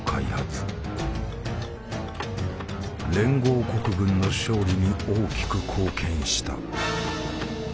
連合国軍の勝利に大きく貢献した。